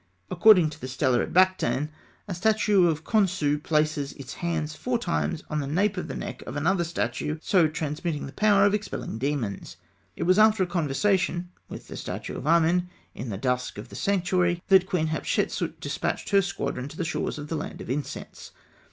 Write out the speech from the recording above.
According to the Stela of Bakhtan, a statue of Khonsû places its hands four times on the nape of the neck of another statue, so transmitting the power of expelling demons. It was after a conversation with the statue of Amen in the dusk of the sanctuary, that Queen Hatshepsût despatched her squadron to the shores of the Land of Incense.